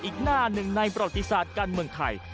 อีกหน้าหนึ่งในประวัติศาสตร์การเมืองไทย